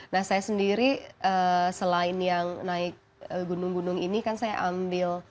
nah saya sendiri selain yang naik gunung gunung ini kan saya ambil